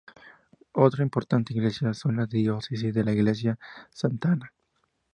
Otra importante iglesia en la diócesis es la Iglesia Santa Ana.